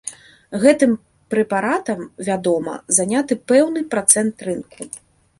Гэтым прэпаратам, вядома, заняты пэўны працэнт рынку.